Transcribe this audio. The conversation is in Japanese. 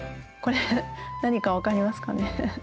これ何か分かりますかね？